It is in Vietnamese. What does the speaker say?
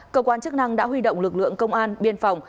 cơ quan chức năng đã huy động lực lượng công an biên phòng